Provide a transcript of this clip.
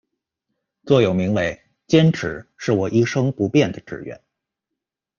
座右铭为「坚持，是我一生不变的志愿」。